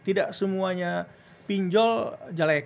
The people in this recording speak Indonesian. tidak semuanya pinjol jelek